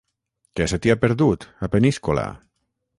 Què se t'hi ha perdut, a Peníscola?